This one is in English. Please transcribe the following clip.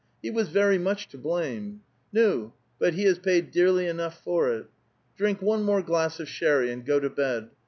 He was very much to blame. Nu^ but he has paid dearly enough for it. Drink one more glass of sherry, and go to bed.